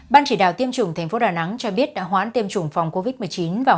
ban chỉ đạo tiêm chủng tp đà nẵng cho biết đã hoãn tiêm chủng phòng covid một mươi chín vào